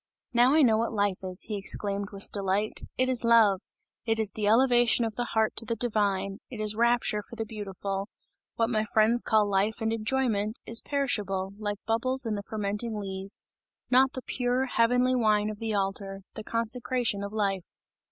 "Now I know what life is," he exclaimed with delight, "it is love! it is the elevation of the heart to the divine, it is rapture for the beautiful! What my friends call life and enjoyment, is perishable, like bubbles in the fermenting lees, not the pure, heavenly wine of the altar, the consecration of life!"